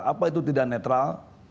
apa itu tidak netral